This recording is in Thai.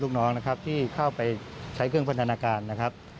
ลูกน้องนะครับที่เข้าไปใช้เครื่องพัฒนาการนะครับ